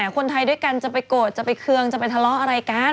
คนไทยด้วยกันจะไปโกรธจะไปเคืองจะไปทะเลาะอะไรกัน